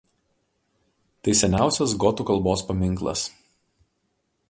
Tai seniausias gotų kalbos paminklas.